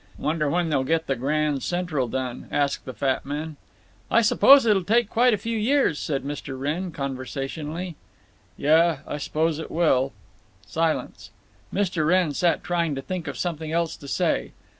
"Wonder when they'll get the Grand Central done?" asked the fat man. "I s'pose it'll take quite a few years," said Mr. Wrenn, conversationally. "Yuh. I s'pose it will." Silence. Mr. Wrenn sat trying to think of something else to say.